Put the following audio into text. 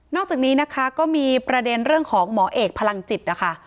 อกจากนี้นะคะก็มีประเด็นเรื่องของหมอเอกพลังจิตนะคะ